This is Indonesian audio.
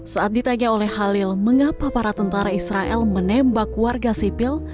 saat ditanya oleh halil mengapa para tentara israel menembak warga sipil